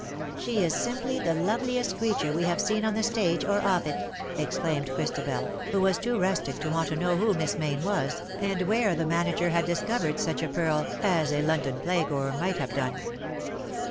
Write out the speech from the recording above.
" She is simply the loveliest creature we have seen on the stage or off it," exclaimed Christabel, who was too rustic to want to know who Miss Mayne was_, and where the manager had discovered such a pearl, as a London playgoer might have done.